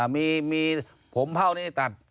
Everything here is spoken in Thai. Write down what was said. มีผมเผ่านี้ตัด